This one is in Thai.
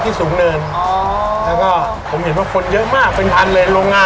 ที่สูงเนินอ้อแล้วก็ผมเห็นว่าคนเยอะมากเป็นทางเลย